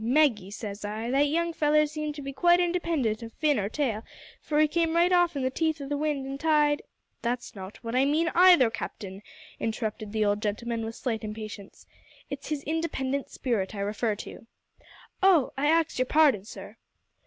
`Maggie,' says I, `that young feller seemed to be quite independent of fin or tail, for he came right off in the teeth o' wind and tide '" "That's not what I mean either, Captain," interrupted the old gentleman, with slight impatience. "It's his independent spirit I refer to." "Oh! I ax your pardon, sir."